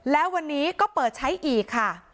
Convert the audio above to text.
แล้ววันนี้ก็เปิดใช้อีกค่ะ